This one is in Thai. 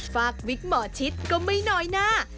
ฝากวิกหมอชิดก็ไม่น้อยหน้า